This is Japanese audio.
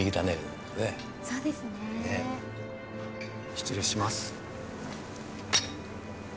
失礼します。